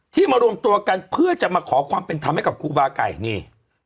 มารวมตัวกันเพื่อจะมาขอความเป็นธรรมให้กับครูบาไก่นี่